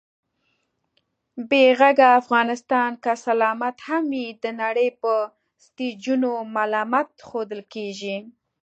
بې غږه افغانستان که سلامت هم وي، د نړۍ په سټېجونو ملامت ښودل کېږي